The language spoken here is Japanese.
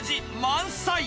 満載。